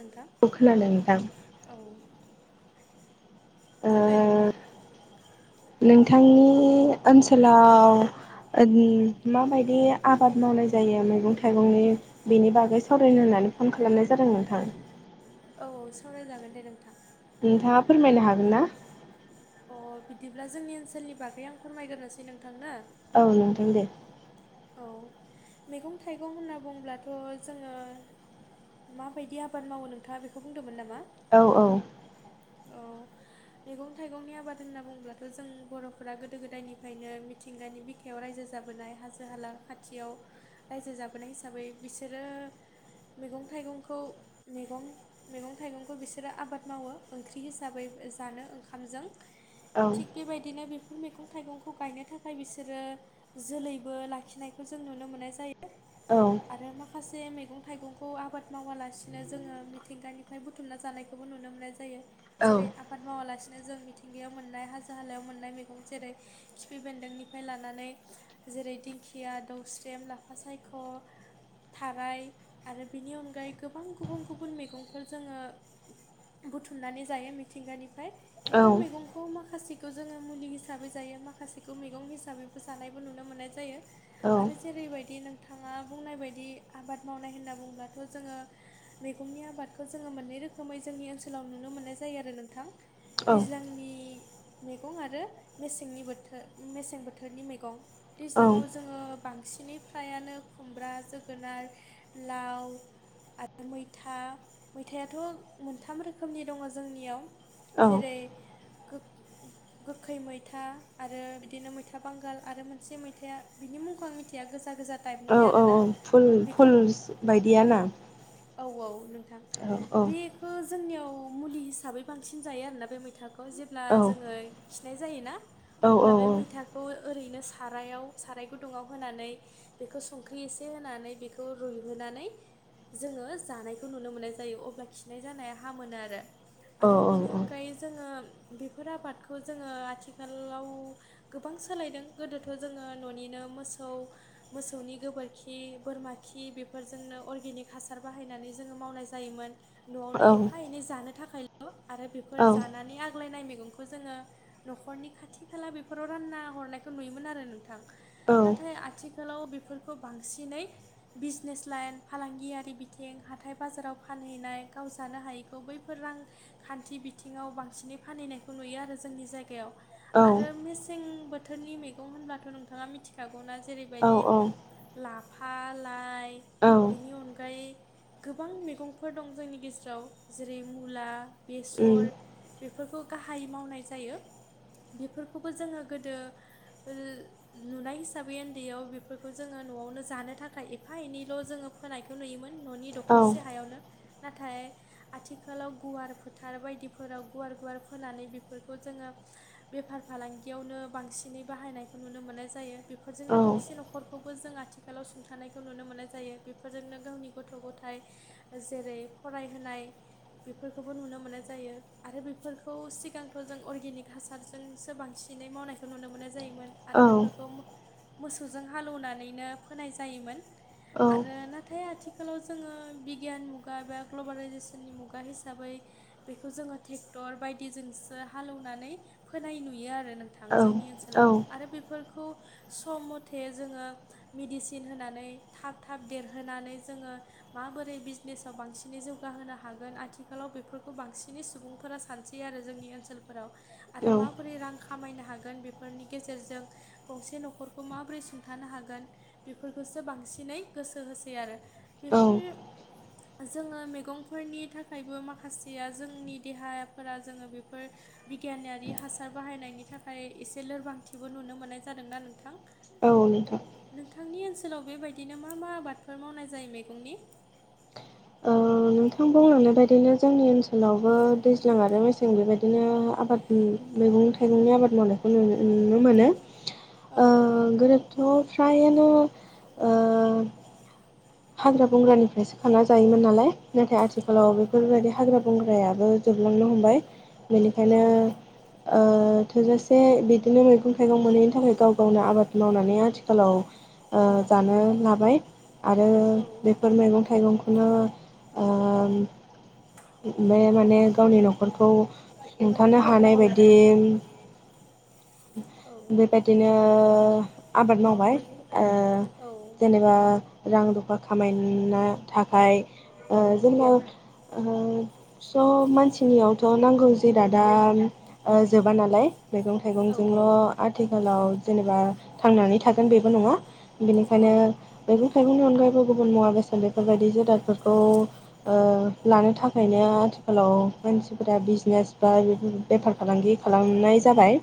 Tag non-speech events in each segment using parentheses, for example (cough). नोंथां औ खोनादों नोंथां। औ ओ बुंलाय नोंथां। नोंथांनि ओनसोलाव ओंग माबायदि आबाद मावनाय जायो मैगं थाइ थाइगंनि बेनि बागै सावरायनो होननानै फन खालामनाय जादों नोंथां। औ सावरायजागोन दे नोंथां। नोंथाङा फोरमायनो हागोन ना? अ बिदिब्ला जोंनि ओनसोलनि बागै आं फोरमायग्रोसै नोंथांनो औ नोंथां दे। औ मैगं थाइगं होनना बुंब्लाथ' जोङो माबायदि आबाद मावो नोंथाङा बेखौ बुंदोंमोन नामा? औ औ। औ। मैगं थाइगंनि आबाद होनना बुंब्लाथ' जों बर'फोरा गोदो गोदायनिफ्रायनो मिथिंगानि आखायाव रायजो जाबोनाय हाजो हाला खाथियाव रायजो जाबोनाय हिसाबै बिसोरो मैगं थाइगंखौ मैगं मैगं थाइगंखौ बिसोरो आबाद मावो ओंख्रि हिसाबै जानो ओंखामजों औ थिग बेबायदिनो बेफोर मैगं थाइगंखौ गायनो थाखाय बिसोरो जोलैबो लाखिनायखौ जों नुनो मोननाय जायो। औ। आरो माखासे मैगं थाइगंखौ आबाद मावालासिनो जोङो मिथिंगानिफ्राय बुथुमना जानाय खौबो नुनो मोननाय जायो जेरै आबाद मावालासिनो जों मिथिंगायाव मोननाय हाजो हालायाव मोननाय मैगं जेरै खिफि बेन्दोंनिफ्राय लानानै जेरै दिंखिया दौस्रेम लाफा सायख' थाराय आरो बेनि अनगायै गोबां गुबुन गुबुन मैगंफोर जोङो बुथुमनानै जायो मिथिंगानिफ्राय, औ बेफोर मैगं माखासेखौ जोङो मुलि हिसाबै जायो, माखासेखौ मैगं हिसाबैबो जानायबो नुनो मोननाय जायो। औ आरो जेरैबायदि नोंथाङा बुंनाय बायदि आबाद मावनाय होनना बुंब्लाथ' जोङो मैगंनि आबादखौ जोङो मोननै रोखोमै जोंनि ओनसोलाव नुनो मोननाय जायो आरो नोंथां। दैज्लांनि मैगं आरो मेसेंनि बोथोर मेसें बोथोरनि मैगं, दैज्लाङाव जोङो बांसिनै फ्रायानो खुमब्रा जोगोनार लाव आरो मैथा, मैथायाथ' मोनथाम रोखोमनि दङ जोंनियाव। औ जेरै गोखै मैथा आरो बिदिनो मैथा बांगाल आरो मोनसे मैथाया बिनि मुंखौ आं मिथिया, गोजा गोजा टाइप। औ औ औ फुल फुल बायदिया ना? औ औ नोंथां औ बे जोंनियाव मुलि हिसाबै बांसिन जायो आरोना बे मैथाखौ जेब्ला औ जोङो खिनाय जायोना औ औ अब्ला बे मैथाखौ बेखौ ओरैनो सारायाव साराय गुदुङाव होनानै बेखौ संख्रि एसे होनानै बेखौ रुइहोनानै जोङो जानायखौ नुनो मोननाय जायो, अब्ला खिनाय जानाया हामो नो आरो। औ आरो बिनि अनगायै जोङो बेफोर आबादखौ जोङो आथिखालाव गोबां सोलायदों गोदोथ' जोङो न'निनो मोसौ मोसौनि गोबोरखि बोरमा खि बेफोरजोंनो अर्गेनिक हासार बाहायनानै जोङो मावनाय जायोमोन न'आवनो एफा एनै जानो थाखायल' आरो बेफोर औ जानानै आग्लायनाय मैगंखौ जोङो न'खरनि खाथि खाला बेफोराव रानना हरनायखौ नुयोमोन आरो नोंथां। नाथाय आथि खालाव बेफोरखौ बांसिनै बिजनेस लाइन फालांगियारि बिथिं हाथाय बाजाराव फानहैनाय गाव जानो हायै खौ बैफोर रां खान्थि बिथिङाव बांसिनै फानहैनायखौ नुयो आरो जोंनि जायगायाव, आरो मेसें बोथोरनि मैगं होनब्लाथ' नोंथाङा मिथिखागौना औ जेरैबायदि लाफा लाइ बिनि अनगायै गोबां मैगंफोर दं जोंनि गेजेराव जेरै मुला, औ बेसर बेफोरखौ गाहाइयै मावनाय जायो। बेफोरखौबो जोङो गोदो ओ नुनाय हिसाबै उन्दैयाव बेफोरखौ जोङो न'आवनो जानो थाखाय एफा एनैल' जोङो फोनाय बेखौ नुयोमोन न'नि औ दखरसे हायावनो नाथाय आथिखालाव गुवार फोथार बायदिफोराव गुवार गुवार फोनानै बेफोरखौ जोङो बेफार फालांगियावनो बांसिनै बाहायनायखौ नुनो मोननाय जायो औ बेफोरजोंनो गंसे न'ख खौबो जों आथिखालाव सुंथानायखौ नुनो मोननाय जायो बेफोरजोंनो गावनि गथ' गथाइ जेरै फरायहोनाय बेफोरखौबो नुनो मोननाय जायो, आरो बेफोरखौ सिगांथ' जों अर्गेनिक हासार जों एसे बांसिनै मावनायखौ नुनो मोननाय जायोमोन आरो बेफोरखौ मोसौ जों हालौनानैनो फोनाय जायोमोन। औ नाथाय आथिखालाव जोङो बिगियान मुगा एबा ग्लबेलाइजेसननि मुगा हिसाबै बेखौ जोङो ट्रेक्टर बायदिजोंसो हालौनानै फोनाय नुयो आरो नोंथां। थां जोंनि औ औ ओनसोलाव आरो बेफोरखौ सम मथे जोङो मेडिसिन होनानै थाब थाब देरहोनानै जोङो माबोरै बिजनेसाव बांसिनै जौगाहोनो हागोन आथिखालाव बेफोरखौ बांसिनै सुबुं फोरा सानसै आरो जोंनि ओनसोलफोराव आरो माबोरै रां खामायनो हागोन बेफोरनि गेजेरजों गंसे न'खरखौ मा माब्रै सुंथानो हागोन बेफोरखौसो बांसिनै गोसो होसै आरो औ बेफोर जोङो मैगंफोरनि थाखायबो माखासेया जोंनि देहाफोरा जोङो बेफोर बिगियानारि हासार बाहायनायनि थाखाय एसे लोरबांथिबो नुनो मोननाय जादोंना नोंथां औ नोंथां नोंथांनि ओनसोलाव बेबायदिनो मा मा आबादफोर मावनाय जायो मेगंनि (inaudible) ओ नोंथां बुंलांनाय बायदिनो जोंनि ओनसोलावबो दैज्लां आरो मेसें बेबायदिनो आबाद मैगं थाइगंनि आबाद मावनायखौ नु नुनो मोनो औ ओ गोरोबथ' फ्रायनो ओ हाग्रा बंग्रानिफ्रायसो खाना जायोमोन नालाय नाथाय औ आथिखालाव बेफोरबायदि हाग्रा बंग्रायाबो जोबलांनो हमबाय बेनिखायनो ओ थोजासे बिदिनो मैगं थाइगं मोनैनि थाखाय गाव गावनो आबाद मावनानै आथिखालाव ओ जानो लाबाय आरो बेफोर मैगं थाइगंखौनो ओम बे माने गावनि न'खरखौ हुंथानो हानाय बायदि औ बेबायदिनो आबाद मावबाय ओ जेनेबा रां रुफा खामायनो थाखाय ओ जोंना उम स' मानसिनियावथ' नांगौ जिरादा ओ जोबा नालाय मैगं थाइगंजोंल' आथिखालाव जेनेबा थांनानै थागोन बेबो नङा बेनिखायनो बे थाइगंनि अनगायैबो गुबुन मुवा बेसाद बेफोरबायायदि जिदादफोरखौ ओ लानो थाखायनो आथिखालाव मानसिफोरा बिजनेस बा बेफार दखान फालांगि खालामनाय जाबाय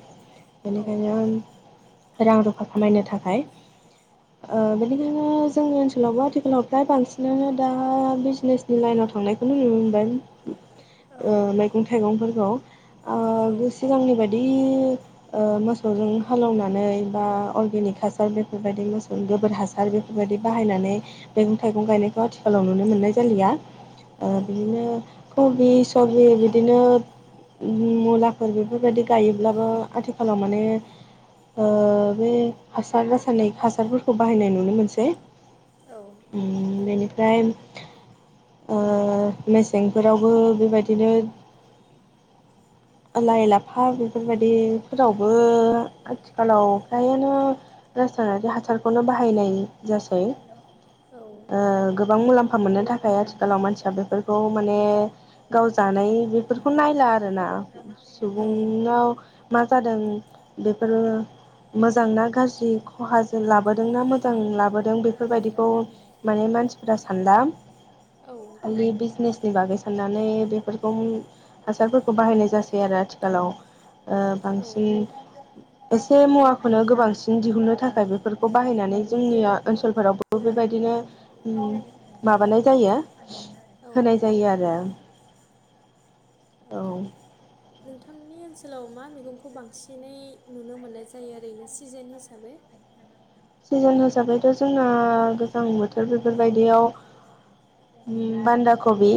बेनिखायनो रां रुफा खामायनो थाखाय ओ बेनिखायनो जोंनि ओनसोलावबो (unintelligible) आथिखालाव फ्राय बांसिनानो दा बिजनेसनि लाइनाव थांनायखौ नुनो मोनबाय ओ मैगं थाइगंफोरखौ ओ (unintelligible) सिगांनि बायदि ओ मोसौजों हालौनानै बा अरगेनिक हासार बेफोरबायदि मोसौ गोबोर हासार बेफोरबायदि बाहायनानै मैगं थाइगं गायनायखौ आथिखालाव नुनो मोननाय जालिया ओ बिदिनो कबि सबि बिदिनो उ मुलाफोर बेफोरबायदि गायोब्लाबो आथिखालाव माने ओ बे हासार रासायनिख हासारफोरखौ बाहायनाय नुनो मोनसै औ उम बेनिफ्राय ओ मेसेंफोरावबो बेबायदिनो लाइ लाफा बेफोरबायदि फोरावबो आथिखालाव फ्राय आनो रासायनारि हासारखौनो बाहायनाय जासै। ओ गोबां मुलाम्फा मोननो थाखाय आथिखालाव मानसिया बेफोरखौ माने गाव जानाय बेफोरखौ नायला आरोना। सुबुंनाव मा जादों बेफोरो मोजां ना गाज्रि खहाजों लाबोदों ना मोजां लाबोदों बेफोरबायदिखौ माने मानसिफोरा सानला औ खालि बिजनेसनि बागै साननानै बेफोरखौ हासारफोरखौ बाहायनाय जासै। आरो आथिखालाव ओ बांसिन एसे मुवाखौनो गोबांसिन दिहुननो थाखाय बेफोरखौ बाहायनानै जोंनि ओनसोलफोराव बेबायदिनो माबानाय जायो। औ होनाय जायो आरो औ नोंथांनि ओनसोलाव मा मैगंखौ बांसिनै नुनो मोननाय जायो ओरैनो सिजोन हिसाबै? सिजोन हिसाबैथ' जोंना गोजां बोथोर बेफोर बायदियाव बान्दा कबि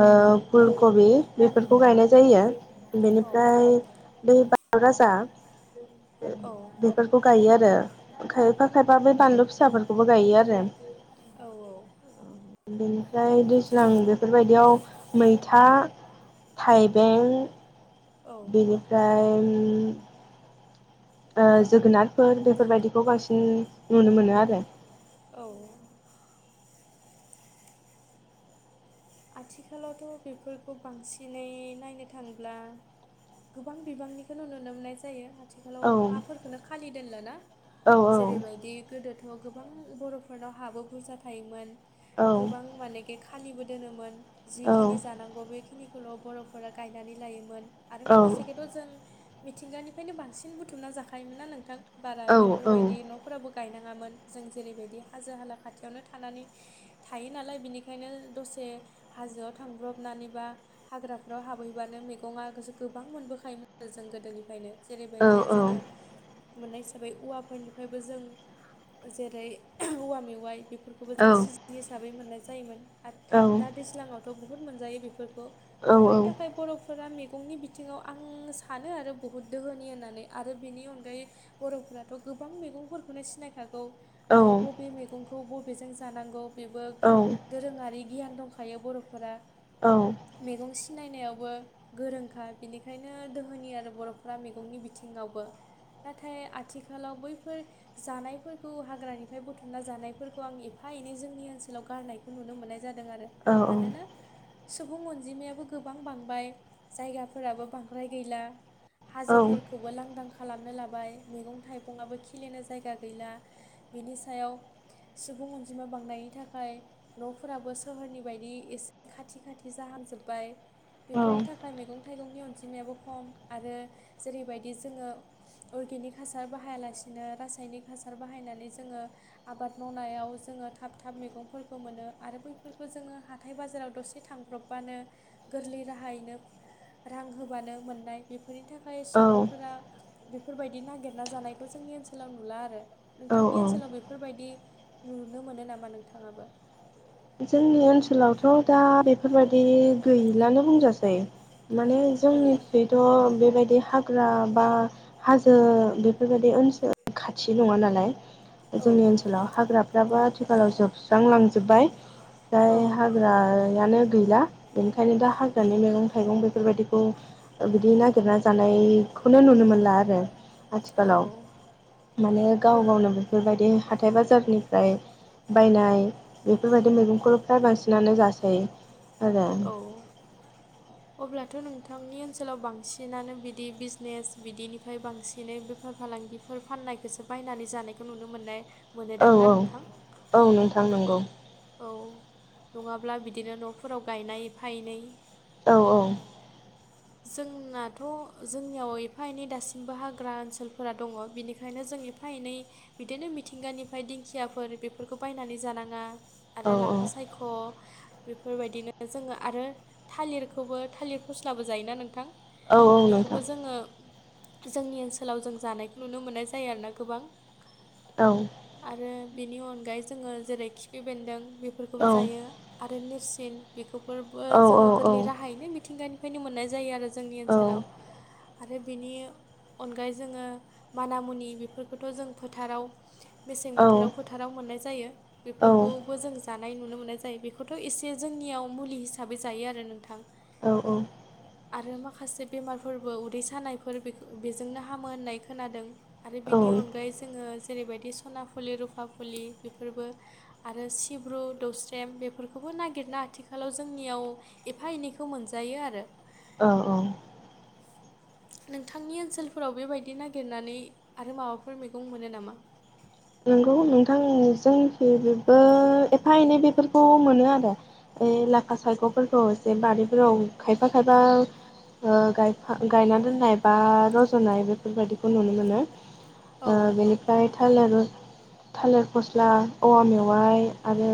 ओ औ फुल कबि बेफोरखौ गायनाय जायो। औ बेनिफ्राय बे बानलु राजा बेफोरखौ गायो आरो। खायफा खायफा बै बानलु फिसाफोरखौबो गायो आरो। औ औ बेनिफ्राय दैज्लां बेफोर बायदियाव मैथा, थाइबें, औ बेनिफ्राय ओ जोगोनारफोर बेफोरबायदिखौ बांसिन नुनो मोनो आरो। औ आथिखालावथ' बेफोरखौ बांसिनै नायनो थांब्ला गोबां बिबांनिखौनो नुनो मोननाय जायो आ थिखालाव हाफोरखौनो खालि दोनला ना। औ जेरैबायदि गोदोथ' गोबां बर'फोरनाव हाबो बुरजा थायोमोन औ गोबां माने खालिबो दोनोमोन औ जिखिनि जानांगौ बेखिनिखौल' बर'फोरा गायनानै लायोमोन आरो औ माखासेखौथ' जों मिथिंगानिफ्रायनो बांसिन बुथुमना जाखायोमोन ना नोंथां। बारा औ बेफोरबायदि न'फोराबो गायनाङामोन जों जेरैबायदि हाजो हाला खाथियावनो थानानै थायो नालाय बिनिखायनो दसे हाजोआव थांब्रबनानैबा हाग्राफ्राव हाबहैबानो मैगंआ गोसो गोबां मोनबोखायोमोन आरो जों गोदोनिफ्रायनो। जेरैबायदि जोङो मोननाय हिसाबै औवाफोरनिफ्रायबो जों जेरै औवा मेवाइ बेफोर खौबो जों सिजन हिसाबै मोननाय जायोमोन आरो औ दा दैज्लाङावथ' बुहुत मोनजायो बेफोरखौ बेफोरनि थाखाय बर' फोरा मैगंनि बिथिङाव आं सानो आरो बुहुत दोहोनि होननानै आरो बेनि अनगायै बर'फोराथ' गोबां मैगंफोरखौनो सिनायखागौ आरो बबे मैगंखौ बबेजों जानांगौ बेबो दोरोङारि गियान दं खायो बर'फोरा। औ मैगं सिनायनायावबो गोरोंखा बिनिखायनो दोहोनि आरो बर'फ्रा मैगंनि बिथिङावबो। नाथाय आथिखालाव बैफोर जानायफोरखौ हाग्रानिफ्राय बुथुमना जानायफोरखौ आं एफा एनै जोंनि ओनसोलाव गारनाय खौ नुनो मोननाय जादों आरो मानोना सुबुं अनजिमायाबो गोबां बांबाय, जायगाफोराबो बांद्राय गैला हाजोफोरखौबो लांदांखा खालामनो लाबाय मैगं थाइगंआबो खिलिनो जायगा गैला बिनि सायाव सुबुं अनजिमा बांनायनि थाखाय न'फोराबो सोहोरनि बायदि एसे खाथि खाथि जाहां जोबबाय बेफोरनि थाखाय मैगं थाइगंनि अनजिमायाबो खम आरो जेरैबायदि जोङो अर्गेनिक हासार बाहायालासिनो रासायनिक हासार बाहायनानै जोङो आबाद मावनायाव जोंङो थाब थाब मैगंफोरखौ मोनो आरो बैफोरखौ जोंङो हाथाय बाजाराव दसे थांब्रबबानो गोरलै राहायैनो रां होबानो मोननाय बे बेफोरनि थाखाय औ सुबुंफोरा बेफोरबायदि नागिरना जानायखौ जोंनि ओनसोलाव नुला आरो औ नोंथांनि ओनसोलाव बेफोरबायदि नुनो मोनो नामा नोंथाङाबो जोंनि ओनसोलावथ' दा बेफोरबायदि गैलानो होनजासै माने औ जोंनिफ्रायथ' बेबायदि हाग्रा बा हाजो बेफोरबायदि ओनसोल खाथि नङा नालाय औ जोंनि ओनसोल आथिखालाव हाग्राफ्राबो आथिखालाव जोबस्रां लांजोब्बाय फाय हाग्रायानो गैला बेनिखायनो दा हाग्रानि मैगं थाइगं बेफोरबायदिखौ बिदि नागिरना जानायखौनो नुनो मोनला आरो औ आथिखालाव माने गाव अब गावनो बेफोरबायदि हाथाय बाजारनिफ्राय बायनाय बेफोरबायदि मैगंखौ फ्राय बांसिनानो जासै आरो औ अब्लाथ' नोंथांनि ओनसोलाव बांसिनानो बिदि बिजनेस बिदिनिफ्राय बांसिनै बेफार फालांगिफोर फोर फाननायखौसो बायनानै जानायखौ नुनो मोननाय औ मोनोदांना औ नोंथां औ नोंथां नंगौ औ। नङाब्ला बिदिनो न'फोराव गायनाय एफा एनै औ औ जोंनाथ' जोंनियाव एफा एनै दासिमबो हाग्रा ओनसोलफोरा दङ बिनिखायनो जों ए एफा एनै बिदिनो मिथिंगानिफ्राय दिंखियाफोर बेफोरखौ बायनानै जानाङा औ आरो लाफा साय ख' बेफोरबायदिनो जोङो आरो थालिरखौबो थालिर फस्ला बो जायोना नोंथां औ औ बेखौबो नोंथां जोङो जोंनि ओनसोलाव जों जानायखौ नुनो मोननाय जायो आरोना गोबां औ आरो बेनि अनगायै जोङो जेरै खिफि बेन्दों बेफोरखौबो औ जायो आरो नेरसिं बेखौफोरबो औ औ जोङो गोरलै राहायैनो मिथिंगानि बेफैनो मोननाय जायो आरो जोंनि ओनसोलाव आरो बिनि अनगायै जोङो माना मुनि बेफोरखौथ' जों फोथाराव मेसें बोथोराव फोथार फोथाराव मोननाय जायो औ बेफोरखौबो जों जानाय नुनो मोननाय जायो बेखौथ' एसे जोंनियाव मुलि हिसाबै जायो आरो नोंथां औ औ आरो माखासे बेमारफोरबो उदै सानायफोर बेजोंनो हामो होननाय खोनादों आरो औ बेनि अनगायै जोङो जेरैबायदि सना फुलि रुफा फुलि बेफोरबो आरो सिब्रु दौस्रेम बेफोरखौबो नागिरना आथिखालाव जोंनियाव एफा एनैखौ मोनजायो आरो औ औ नोंथांनि ओनसोलफोराव बेबायदि नागिरनानै आरो माबाफोर मैगं मोनो नामा? नंगौ नोंथां जोंनिखि बो एफा एनै बेफोरखौ मोनो आरो इ लाफा सायख'फोरखौ एसे बारिफोराव खायफा खायफा ओ गायफा गायना दोननाय बा रज'नाय बेफोरबायाददिखौ नुनो मोनो ओ औ बेनिफ्राय थालारु थालिर फस्ला, औवा मेवाइ आरो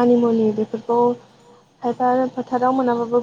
मानिमुनि बेफोरखौ खायफा फोथाराव मोनाबाबो